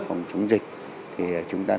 phòng chống dịch thì chúng ta